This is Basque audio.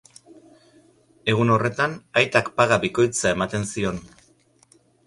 Egun horretan, aitak paga bikoitza ematen zion.